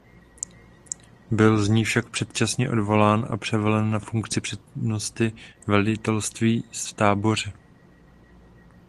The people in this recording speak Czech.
Byl z ní však předčasně odvolán a převelen na funkci přednosty velitelství v Táboře.